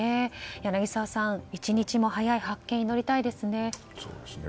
柳澤さん、一日も早い発見を祈りたいですね。